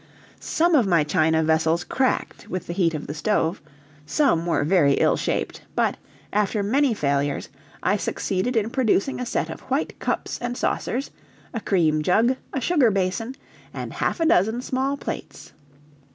Some of my china vessels cracked with the heat of the stove, some were very ill shaped; but, after many failures, I succeeded in producing a set of white cups and saucers, a cream jug, a sugar basin, and half a dozen small plates.